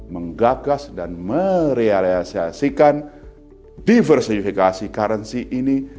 menggagas dan merealisasikan diversifikasi currency ini